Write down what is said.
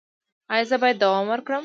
ایا زه باید دوام ورکړم؟